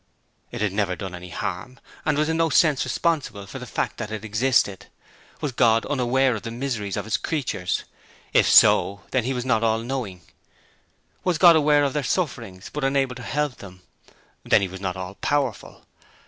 It had never done any harm, and was in no sense responsible for the fact that it existed. Was God unaware of the miseries of His creatures? If so, then He was not all knowing. Was God aware of their sufferings, but unable to help them? Then He was not all powerful.